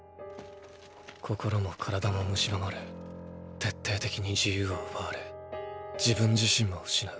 心も体も蝕まれ徹底的に自由は奪われ自分自身も失う。